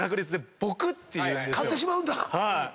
勝ってしまうんだ。